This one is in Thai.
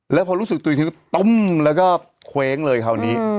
แล้วพอรู้สึกตัวอีกทีก็ตุ้มแล้วก็เคว้งเลยคราวนี้